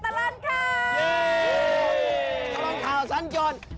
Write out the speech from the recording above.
กำลังข่าวสั้นจน